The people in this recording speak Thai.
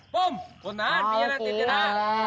ผมผู้น้าทพิเศษนาฬิกา